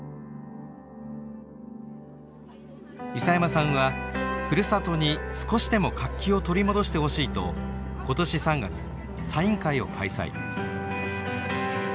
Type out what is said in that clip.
諫山さんはふるさとに少しでも活気を取り戻してほしいと今年３月サイン会を開催。